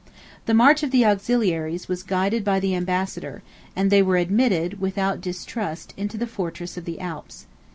The march of the auxiliaries was guided by the ambassador; and they were admitted, without distrust, into the fortresses of the Alps.